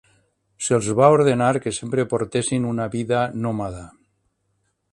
Se'ls va ordenar que sempre portessin una vida nòmada.